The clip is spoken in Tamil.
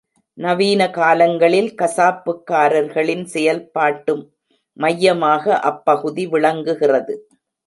நவீன காலங்களில், கசாப்புக்கார்களின் செயல்பாட்டு மையமாக அப்பகுதி விளங்குகிறது.